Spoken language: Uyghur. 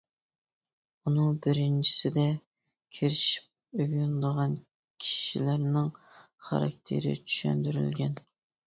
ئۇنىڭ بىرىنچىسىدە كىرىشىپ ئۆگىنىدىغان كىشىلەرنىڭ خاراكتېرى چۈشەندۈرۈلگەن.